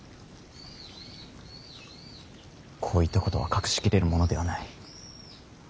こういったことは隠し切れるものではない。